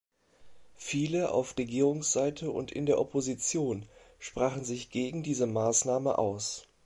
Viele auf Regierungsseite und in der Opposition sprachen sich gegen diese Maßnahme aus.